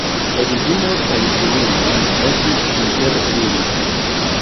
Edzino kaj filino estis inter ili.